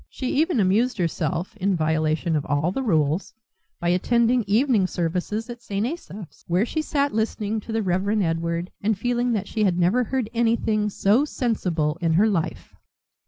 She even amused herself, in violation of all rules, by attending evening service at St. Asaph's, where she sat listening to the Reverend Edward, and feeling that she had never heard anything so sensible in her life.